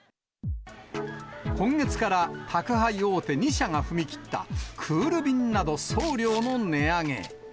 今月から宅配大手２社が踏み切ったクール便など送料の値上げ。